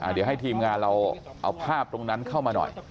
เดี๋ยวให้ทีมงานเราเอาภาพตรงนั้นเข้ามาหน่อย